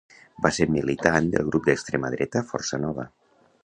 Va ser militant del grup d'extrema dreta Força Nova.